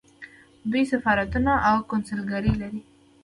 دوی سفارتونه او کونسلګرۍ لري.